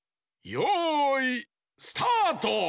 よいスタート！